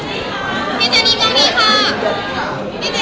ที่เจนนี่ของกล้องนี้นะคะ